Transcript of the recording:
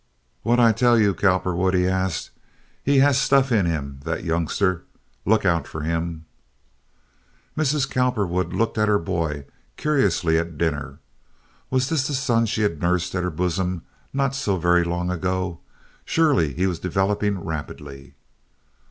"What'd I tell you, Cowperwood?" he asked. "He has stuff in him, that youngster. Look out for him." Mrs. Cowperwood looked at her boy curiously at dinner. Was this the son she had nursed at her bosom not so very long before? Surely he was developing rapidly.